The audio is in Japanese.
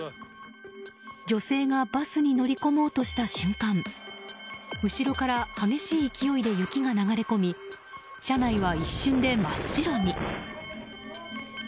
女性がバスに乗り込もうとした瞬間後ろから激しい勢いで雪が流れ込み車内は一瞬で真っ白に。